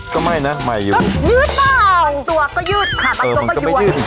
ก็ไม่นะใหม่อยู่ยืดเปล่าตัวก็ยืดค่ะตัวก็ย้วย